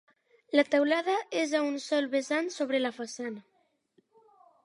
La teulada és a un sol vessant sobre la façana.